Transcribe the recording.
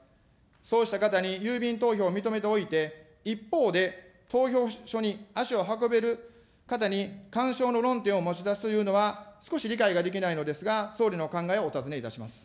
そうした方に郵便投票を認めておいて、一方で投票所に足を運べる方に干渉の論点を持ちだすというのは、少し理解ができないのですが、総理のお考えをお尋ねいたします。